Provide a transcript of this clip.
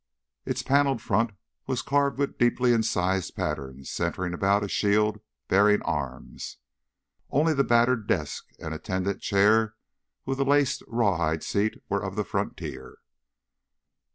Its paneled front was carved with deeply incised patterns centering about a shield bearing arms. Only the battered desk and an attendant chair with a laced rawhide seat were of the frontier.